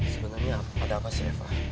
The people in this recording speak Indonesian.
sebenernya pada apa sih reva